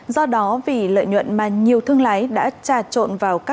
do đó vì lợi nhuận mà nhiều thương lái đã trà trộn vào các